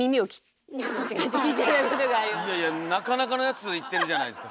いやいやなかなかのやついってるじゃないですか